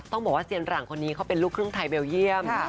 ต้องบอกว่าเซียนหลังคนนี้เขาเป็นลูกครึ่งไทยเบลเยี่ยม